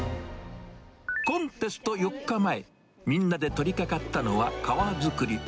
コンテスト４日前、みんなで取りかかったのは川作り。